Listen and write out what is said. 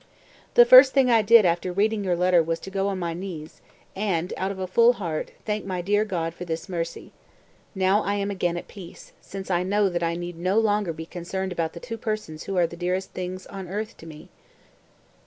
187. "The first thing I did after reading your letter was to go on my knees, and, out of a full heart, thank my dear God for this mercy. Now I am again at peace, since I know that I need no longer be concerned about the two persons who are the dearest things on earth to me."